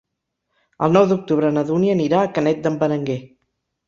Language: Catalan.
El nou d'octubre na Dúnia anirà a Canet d'en Berenguer.